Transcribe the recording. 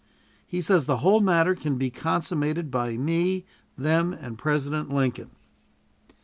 He says the whole matter can be consummated by me, them, and President Lincoln.